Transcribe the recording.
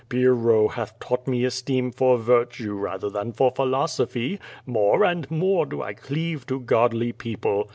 Pyrrho hath taught me esteem for virtue rather than for philosophy. More and more do I cleave to godly people.